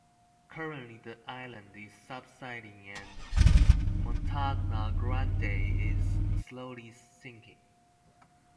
Currently the island is subsiding, and Montagna Grande is slowly sinking.